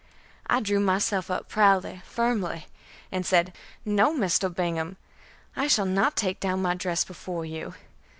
I drew myself up proudly, firmly, and said: "No, Mr. Bingham, I shall not take down my dress before you.